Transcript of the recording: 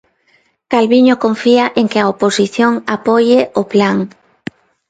Calviño confía en que a oposición apoie o plan.